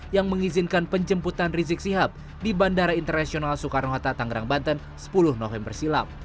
yang mengizinkan penjemputan rizik sihab di bandara internasional soekarno hatta tangerang banten sepuluh november silam